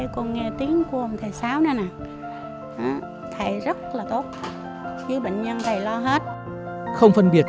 cô nghe tiếng của ông thầy sáu đây nè thầy rất là tốt chứ bệnh nhân thầy lo hết